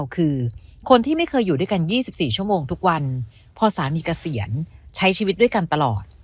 คือคนที่ไม่เคยอยู่ด้วยกัน๒๔ชั่วโมงทุกวันพอสามีเกษียณใช้ชีวิตด้วยกันตลอด